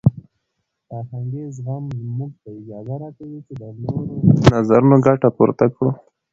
فرهنګي زغم موږ ته اجازه راکوي چې د نورو له نظرونو ګټه پورته کړو.